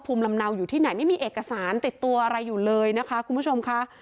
ภูมิลำเนาอยู่ที่ไหนไม่มีเอกสารติดตัวอะไรอยู่เลยนะคะคุณผู้ชมค่ะ